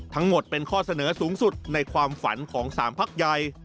ทั้งหมดเป็นข้อเสนอสูงสุดในความฝันของ๓พักใหญ่